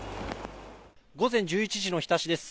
午前１１時の日田市です。